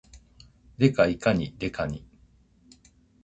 デカいかに、デカニ